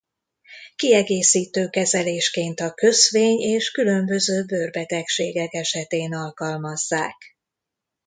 Kiegészítő kezelésként a köszvény és különböző bőrbetegségek esetén alkalmazzák.